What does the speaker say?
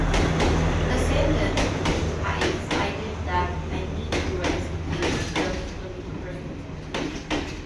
The sentence "I decided that I need to rest" is grammatically correct.